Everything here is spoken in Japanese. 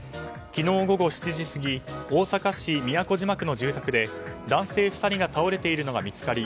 昨日午後７時過ぎ大阪市都島区の住宅で男性２人が倒れているのが見つかり